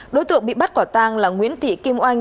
đối tượng bị bắt quả tang là nguyễn thị kim oanh